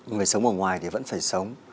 người sống ở ngoài thì vẫn phải sống